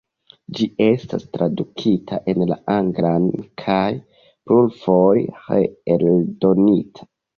Ĝi estis tradukita en la anglan kaj plurfoje reeldonita.